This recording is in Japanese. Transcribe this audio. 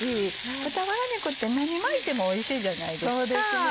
豚バラ肉って何巻いてもおいしいじゃないですか。